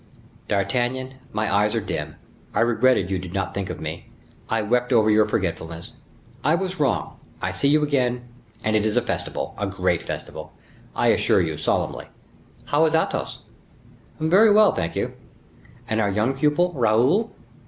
D'Artagnan, my eyes are dim. I regretted you did not think of me. I wept over your forgetfulness. I was wrong. I see you again, and it is a festival, a great festival, I assure you, solemnly! How is Athos?" "Very well, thank you." "And our young pupil, Raoul?"